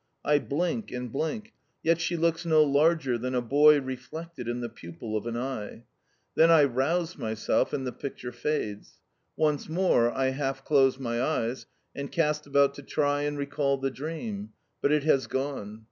I blink and blink, yet she looks no larger than a boy reflected in the pupil of an eye. Then I rouse myself, and the picture fades. Once more I half close my eyes, and cast about to try and recall the dream, but it has gone.